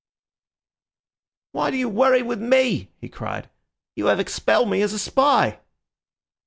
"Why do you worry with me?" he cried. "You have expelled me as a spy."